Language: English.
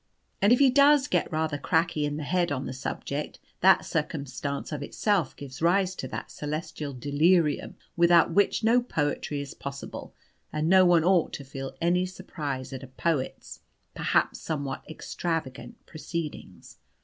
And if he does get rather cracky in the head on the subject, that circumstance of itself gives rise to that celestial delirium without which no poetry is possible, and no one ought to feel any surprise at a poet's perhaps somewhat extravagant proceedings.